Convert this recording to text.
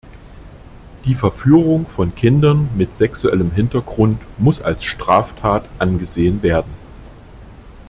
Die Verführung von Kindern mit sexuellem Hintergrund muss als Straftat angesehen werden.